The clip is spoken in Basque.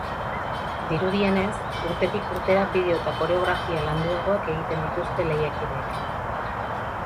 Dirudienez, urtetik urtera bideo eta koreografia landuagoak egiten dituzte lehiakideek.